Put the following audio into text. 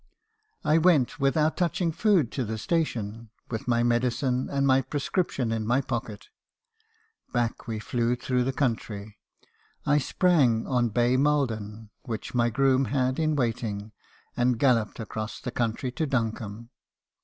I went, without touching food, to the station, with my medicine and my prescription in my pocket. Back we flew through the country. I sprang on Bay Maldon, which my groom had in waiting, and galloped across the country to Duncombe.